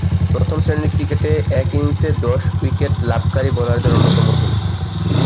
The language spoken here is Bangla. প্রথম-শ্রেণীর ক্রিকেটে এক ইনিংসে দশ উইকেট লাভকারী বোলারদের অন্যতম তিনি।